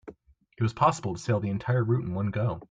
It was possible to sail the entire route in one go.